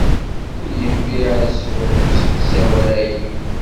Ur yenfiɛ azuḥ usegzawal-ayi.